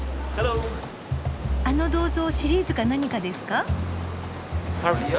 あの銅像シリーズか何かですか？